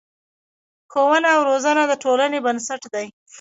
ښوونه او روزنه د ټولنې بنسټ دی.